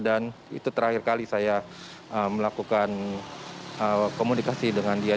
dan itu terakhir kali saya melakukan komunikasi dengan dia